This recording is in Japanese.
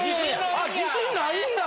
あ自信ないんや！